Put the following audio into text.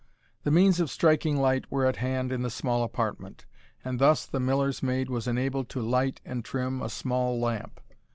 The means of striking light were at hand in the small apartment, and thus the Miller's maiden was enabled to light and trim a small lamp.